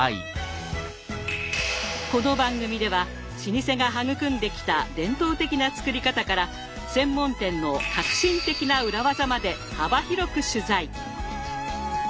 この番組では老舗が育んできた伝統的な作り方から専門店の革新的な裏技まで幅広く取材。